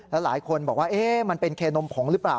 แล้วหลายคนบอกว่ามันเป็นเคนมผงหรือเปล่า